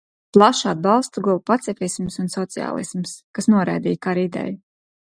Plašu atbalstu guva pacifisms un sociālisms, kas noraidīja kara ideju.